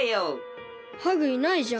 ハグいないじゃん。